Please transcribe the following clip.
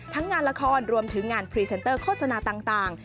งานละครรวมถึงงานพรีเซนเตอร์โฆษณาต่าง